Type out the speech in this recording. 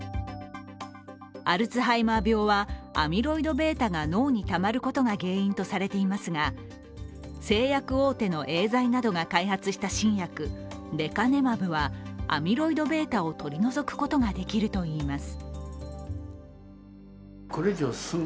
アルツハイマー病は、アミロイドβが脳にたまることが原因とされていますが製薬大手のエーザイなどが開発した新薬レカネマブはアミロイドβを取り除くことができるといいます。